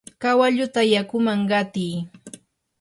kawalluta yakuman qatiy.